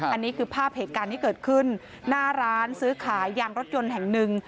อันนี้คือภาพเหตุการณ์ที่เกิดขึ้นหน้าร้านซื้อขายยางรถยนต์แห่งหนึ่ง